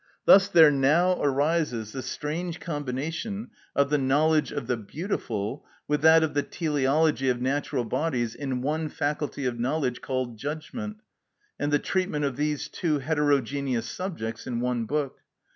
Thus there now arises the strange combination of the knowledge of the beautiful with that of the teleology of natural bodies in one faculty of knowledge called judgment, and the treatment of these two heterogeneous subjects in one book.